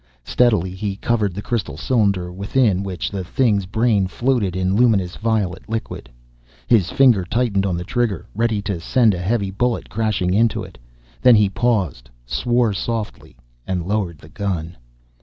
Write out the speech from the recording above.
Steadily he covered the crystal cylinder within which the thing's brain floated in luminous violet liquid. His finger tightened on the trigger, ready to send a heavy bullet crashing into it. Then he paused, swore softly, lowered the gun.